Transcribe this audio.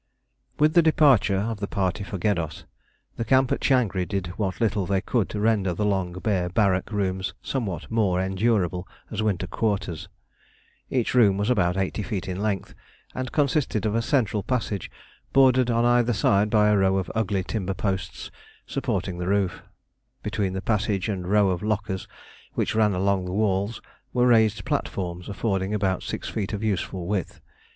With the departure of the party for Geddos, the camp at Changri did what little they could to render the long bare barrack rooms somewhat more endurable as winter quarters. Each room was about 80 feet in length, and consisted of a central passage bordered on either side by a row of ugly timber posts supporting the roof. Between the passage and a row of lockers which ran along the walls were raised platforms, affording about six feet of useful width.